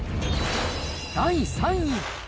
第３位。